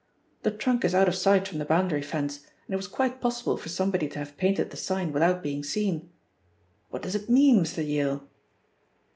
The trunk is out of sight from the boundary fence, and it was quite possible for somebody to have painted the sign without being seen. What does it mean, Mr. Yale?"